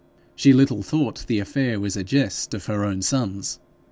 She little thought the whole affair was a jest of her own son's.